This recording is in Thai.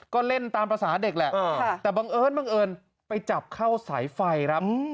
ก็เล่นตามภาษาเด็กแหละแต่บังเอิญไปจับเข้าสายไฟละ